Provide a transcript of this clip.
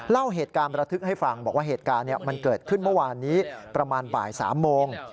เล่าเหตุการณ์ประทึกให้ฟังบอกว่าเหตุการณ์มันเกิดขึ้นเมื่อวานนี้ประมาณบ่าย๓โมง